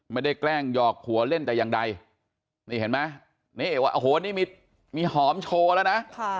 ไม่ได้แกล้งหยอกหัวเล่นแต่อย่างใดมีหอมโชว์แล้วนะ